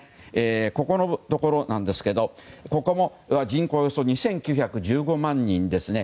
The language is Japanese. ここのところなんですけどここも人口およそ２９１５万人ですね。